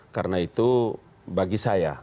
karena itu bagi saya